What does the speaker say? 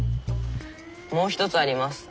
もう一つあります。